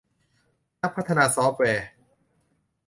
นักพัฒนาซอฟแวร์